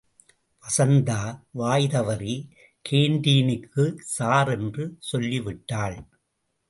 வசந்தா, வாய் தவறி கேன்டீனுக்கு ஸார் என்று சொல்லி விட்டாள்.